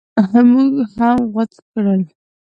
موږ هم غوڅ کړل.